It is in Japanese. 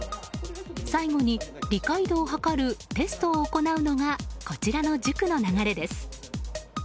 最後に、理解度を測るテストを行うのがこちらの塾の流れです。